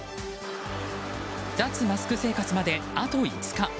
脱マスク生活まであと５日。